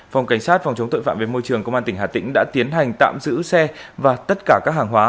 phòng cảnh sát phòng chống tội phạm về môi trường công an tỉnh hà tĩnh đã tiến hành tạm giữ xe và tất cả các hàng hóa